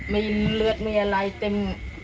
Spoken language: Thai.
มีเลือดมีอะไรเต็ม